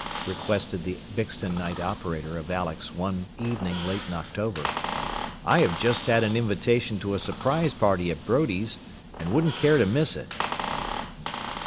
requested the Bixton night operator of Alex one evening late in October. "I have just had an invitation to a surprise party at Brodies', and wouldn't care to miss it."